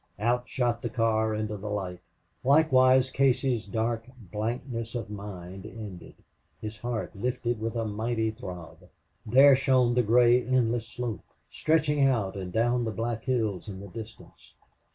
Out shot the car into the light. Likewise Casey's dark blankness of mind ended. His heart lifted with a mighty throb. There shone the gray endless slope, stretching out and down to the black hills in the distance.